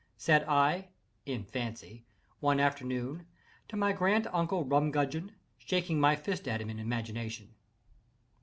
said I, in fancy, one afternoon, to my grand uncle Rumgudgeon—shaking my fist at him in imagination.